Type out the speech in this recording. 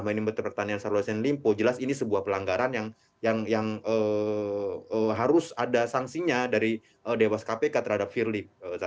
menteri pertanian syahrul yassin limpo jelas ini sebuah pelanggaran yang harus ada sanksinya dari dewas kpk terhadap firly